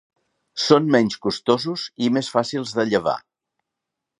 Són menys costosos i més fàcils de llevar.